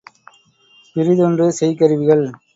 பிறிதொன்று செய் கருவிகள்.